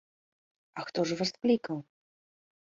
А хто ж вас клікаў?